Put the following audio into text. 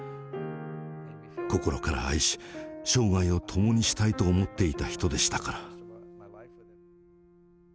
心から愛し生涯を共にしたいと思っていた人でしたから。